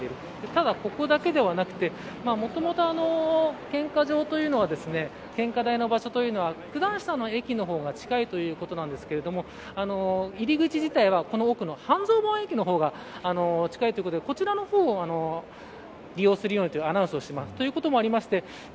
ただ、ここだけではなくてもともと、献花場というのは献花台の場所というのは九段下の駅の方が近いということなんですが入り口自体はこの奥の半蔵門駅の方が近いということでこちらの方を利用するようにというアナウンスをしています。